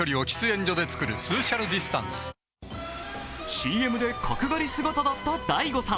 ＣＭと角刈り姿だった大悟さん。